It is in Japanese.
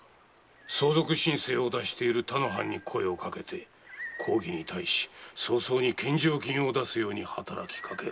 相続申請を出している他の藩に声をかけ公儀に対し早々に献上金を出すように働きかけろ。